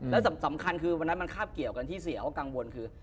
แล้วสำคัญคือวันนั้นมันคาบเกี่ยวกันที่เสียเขากังวลคือ